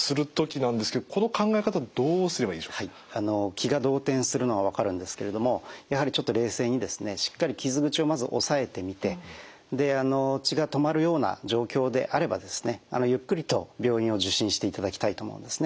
気が動転するのは分かるんですけれどもやはりちょっと冷静にしっかり傷口をまずおさえてみて血が止まるような状況であればゆっくりと病院を受診していただきたいと思うんですね。